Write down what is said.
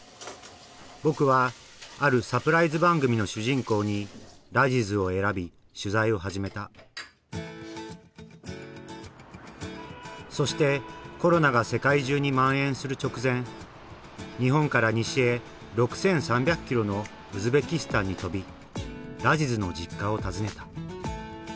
僕はあるサプライズ番組の主人公にラジズを選び取材を始めたそしてコロナが世界中にまん延する直前日本から西へ６，３００キロのウズベキスタンに飛びラジズの実家を訪ねた。